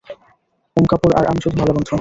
ওম কাপুর আর আমি শুধু ভাল বন্ধু।